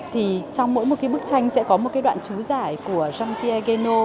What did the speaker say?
trong mỗi bức tranh sẽ có một đoạn chú giải của jean pierre guénot